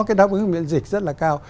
cái đáp ứng miễn dịch rất là cao